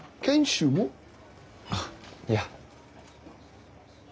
あっいや。